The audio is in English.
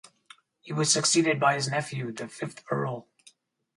He was succeeded by his nephew, the fifth Earl.